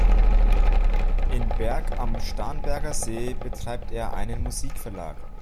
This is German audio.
In Berg am Starnberger See betreibt er einen Musikverlag.